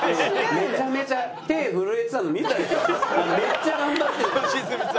めちゃめちゃ手震えてたの見たでしょ？